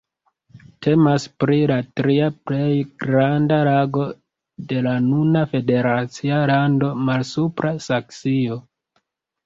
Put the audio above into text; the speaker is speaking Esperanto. Temas pri la tria plej granda lago de la nuna federacia lando Malsupra Saksio.